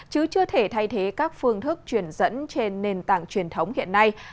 chứ chưa thể thay thế các phương thức truyền dẫn trên nền tảng truyền thống hiện nay